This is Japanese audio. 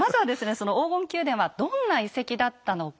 その黄金宮殿はどんな遺跡だったのか。